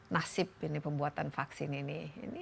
nasib ini pembuatan vaksin ini